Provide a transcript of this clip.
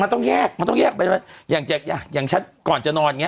มันต้องแยกมันต้องแยกไปอย่างอย่างฉันก่อนจะนอนอย่างเง